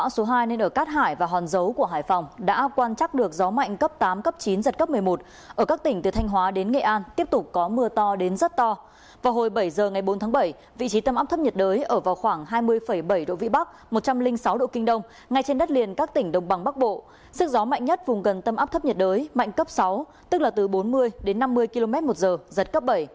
sức gió mạnh nhất vùng gần tâm áp thấp nhiệt đới mạnh cấp sáu tức là từ bốn mươi đến năm mươi km một giờ giật cấp bảy